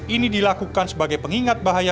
ini dilakukan sebagai pengingat bahaya